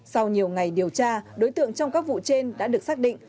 sau nhiều ngày điều tra đối tượng trong các vụ trên đã được xác định